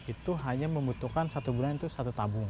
itu hanya membutuhkan satu bulan itu satu tabung